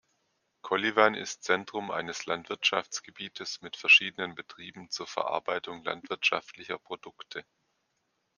Kolywan ist Zentrum eines Landwirtschaftsgebietes mit verschiedenen Betrieben zur Verarbeitung landwirtschaftlicher Produkte.